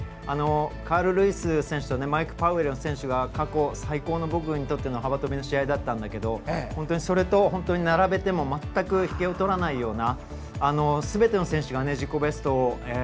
カール・ルイス選手とマーク・パウエル選手が過去最高の、僕にとっての幅跳びの試合だったんだけどそれと並べても全く引けをとらないようなすべての選手が自己ベストを。